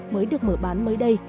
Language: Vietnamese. mới được mở bán mới đây